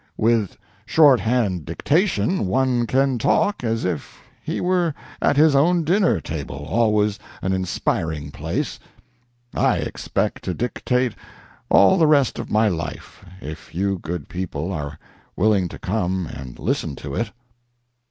With short hand dictation one can talk as if he were at his own dinner table always an inspiring place. I expect to dictate all the rest of my life, if you good people are willing to come and listen to it."